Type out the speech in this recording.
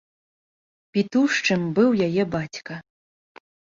Пітушчым быў яе бацька.